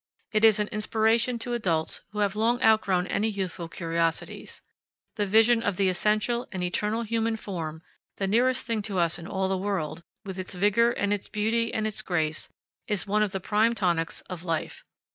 It is an inspiration to adults who have long outgrown any youthful curiosities. The vision of the essential and eternal human form, the nearest thing to us in all the world, with its vigor and its beauty and its grace, is one of the prime tonics of life."